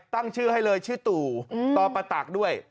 ตั้งชื่อให้เลยชื่อตู่ตอปตักด้วย